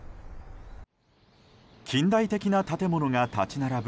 近代的な建物が立ち並ぶ